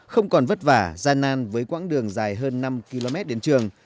không còn vất vả gian nan với quãng đường dài hơn năm km đến trường